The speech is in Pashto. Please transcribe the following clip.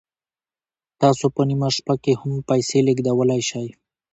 تاسو په نیمه شپه کې هم پیسې لیږدولی شئ.